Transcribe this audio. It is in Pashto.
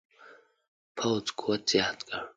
پوځ قوت زیات کړ.